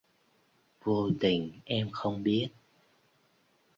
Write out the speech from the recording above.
Vô tình em không biết